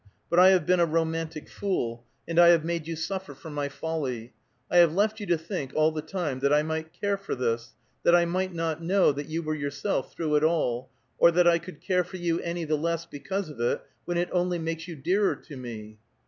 But I have been a romantic fool, and I have made you suffer for my folly. I have left you to think, all the time, that I might care for this; that I might not know that you were yourself through it all, or that I could care for you any the less because of it, when it only makes you dearer to me."